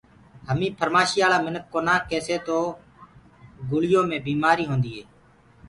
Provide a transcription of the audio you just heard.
همينٚ ڦرمآشِيآݪآ منکِ ڪونآ ڪيسي تو گُݪيو مي بيٚمآريٚ هونٚديٚ هي